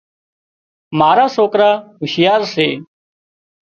مارا سوڪرا هوشيار سي